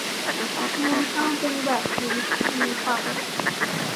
งั้น เอาเป็นแบบฟรีซดีป่ะ